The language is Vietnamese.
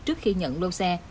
trước khi nhận lô xe